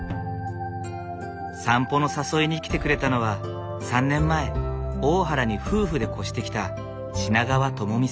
散歩の誘いに来てくれたのは３年前大原に夫婦で越してきた品川友美さん。